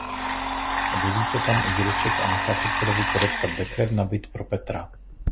Objeví se tam i dědeček a nechá předsedovi podepsat dekret na byt pro Petra.